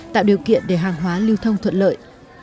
tạo điều kiện để hàng hóa lưu thông thuận lợi